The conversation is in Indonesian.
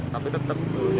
tapi tetap terjun